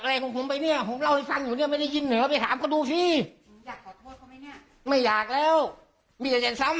ขาดของคุณไปเนี่ยหังคุณไม่ได้ยินเหรอไปทำว่าดูสิไม่อยากแล้วมีหายสำ